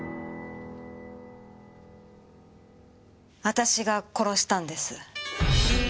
私が殺したんです。